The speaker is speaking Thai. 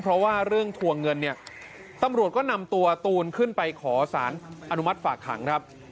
เพราะว่าเรื่องทวงเงินเนี่ยตำรวจก็นำตัวตูนขึ้นไปขอสารอนุมัติฝากขังครับ